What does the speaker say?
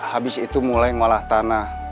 habis itu mulai mengolah tanah